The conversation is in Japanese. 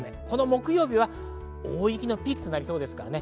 この木曜日は大雪のピークとなりそうです。